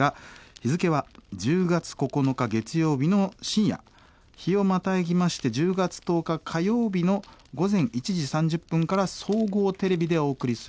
日付は１０月９日月曜日の深夜日をまたぎまして１０月１０日火曜日の午前１時３０分から総合テレビでお送りする予定です。